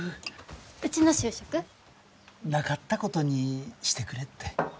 うちの就職？なかったことにしてくれって。